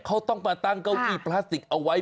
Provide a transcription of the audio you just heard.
เขาต้องมาตั้งเก้าอี้พลาสติกเอาไว้